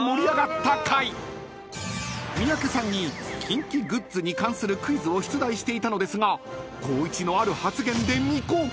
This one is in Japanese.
［三宅さんにキンキグッズに関するクイズを出題していたのですが光一のある発言で未公開に］